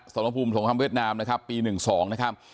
สมภูมิสงครามเวียดนามนะครับปี๑๒นะครับ